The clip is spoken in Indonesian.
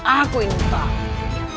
aku ingin tahu